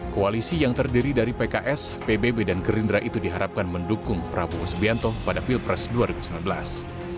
koalisi yang terdiri dari pks pbb dan gerindra itu diharapkan mendukung prabowo subianto pada pilpres dua ribu sembilan belas